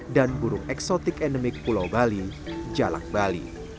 dan burung eksotik endemik pulau bali jalak bali